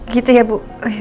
gitu ya bu